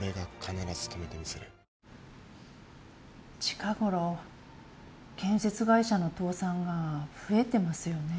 近ごろ建設会社の倒産が増えてますよね。